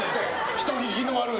人聞きの悪い！